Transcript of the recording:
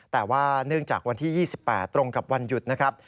แต่ว่าเนื่องจากวันที่๒๘ตรงกับวันหยุดนะครับ